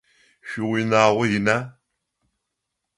Шъуиунагъо ина?